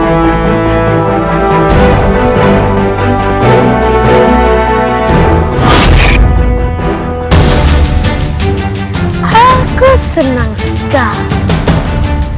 aku senang sekali